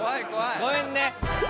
ごめんね。